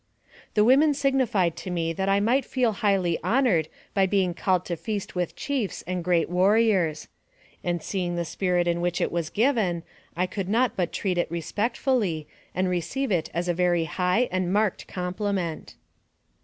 The women signified to me that I should feel highly honored by being called to feast with chiefs and great warriors ; and seeing the spirit in which it was given, I could not but treat it respectfully, and receive it as a very high and marked compliment.